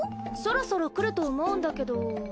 そろそろ来ると思うんだけど。